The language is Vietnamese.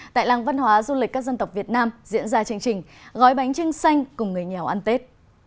tại làng văn hóa du lịch các dân tộc việt nam diễn ra chương trình gói bánh trưng xanh cùng người nghèo ăn tết